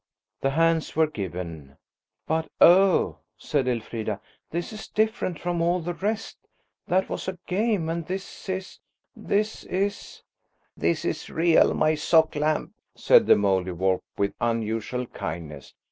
The hands were given. "But oh," said Elfrida, "this is different from all the rest; that was a game, and this is–this is–" "This is real, my sock lamb," said the Mouldiwarp with unusual kindness.